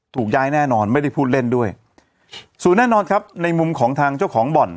ถูกย้ายแน่นอนไม่ได้พูดเล่นด้วยส่วนแน่นอนครับในมุมของทางเจ้าของบ่อน